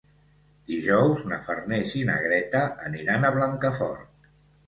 Dijous na Farners i na Greta aniran a Blancafort.